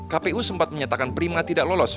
kpu sempat menyatakan prima tidak lolos